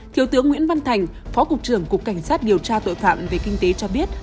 thiếu tướng nguyễn văn thành phó cục trưởng cục cảnh sát điều tra tội phạm về kinh tế cho biết